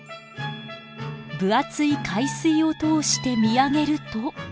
分厚い海水を通して見上げると。